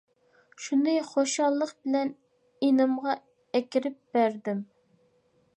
شۇنى خۇشاللىق بىلەن ئىنىمغا ئەكىرىپ بەردىم.